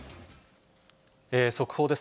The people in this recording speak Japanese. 速報です。